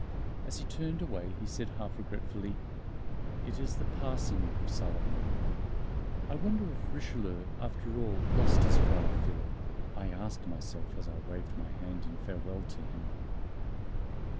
As he turned away he said half regretfully, "It is the Passing of Sullivan." "I wonder if Richelieu, after all, lost his Friar Philip?" I asked myself as I waved my hand in farewell to him.